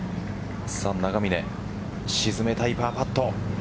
さあ、永峰沈めたいパーパット。